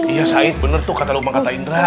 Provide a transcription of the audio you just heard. iya said bener tuh kata lubang kata indra